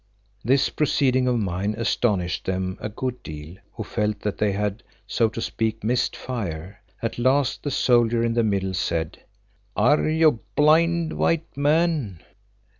This proceeding of mine astonished them a good deal who felt that they had, so to speak, missed fire. At last the soldier in the middle said, "Are you blind, White Man?"